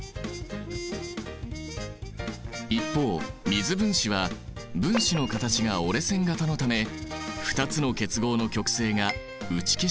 一方水分子は分子の形が折れ線形のため２つの結合の極性が打ち消し合わない。